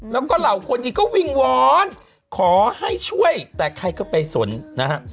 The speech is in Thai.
แล้วก็เหล่าคนดีก็วิ่งวอนขอให้ช่วยแต่ใครก็ไปสนนะฮะ